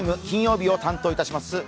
金曜日を担当いたします